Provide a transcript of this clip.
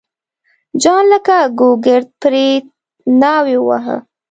جان لکه ګوګرد پرې ناوی وواهه.